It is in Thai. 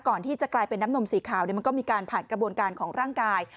ก่อนที่จะกลายเป็นน้ำนมสีขาวมันก็มีการผ่านกระบวนการของร่างกาย